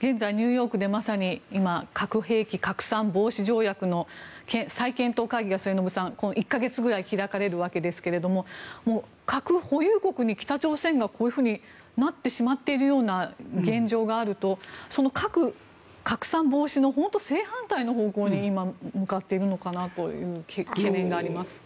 現在、ニューヨークでまさに今、核兵器拡散防止条約の再検討会議が末延さん１か月ぐらい開かれるわけですが核保有国に北朝鮮がこういうふうになってしまっているような現状があるとその核拡散防止の正反対の方向に今、向かっているのかなという懸念があります。